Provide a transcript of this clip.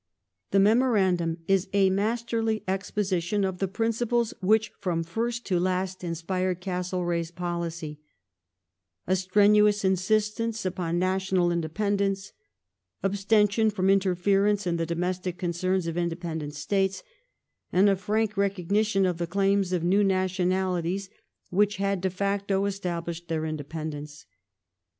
The memorandum is a masterly exposition of the principles which from first to last in , spired Castlereagh's policy : a strenuous insistence upon natjimal I j independence ; abstention from interference in the domestic concerns j^ of independent States ; and a frank recognition of the claims of , new \ nationalities which had de facto established their independence.